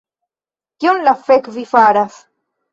Kion la fek' vi faras